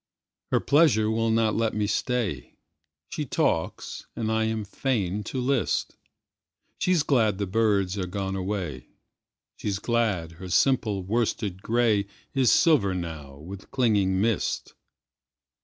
Her pleasure will not let me stay. She talks and I am fain to list:She's glad the birds are gone away, She's glad her simple worsted greyIs silver now with clinging mist.